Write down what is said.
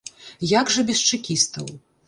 Як жа без чэкістаў?